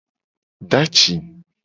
Do aci.